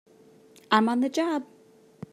I'm on the job!